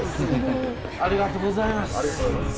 ありがとうございます。